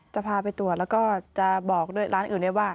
จะพาไปตรวจแล้วก็จะบอกด้วยร้านอื่นได้ว่า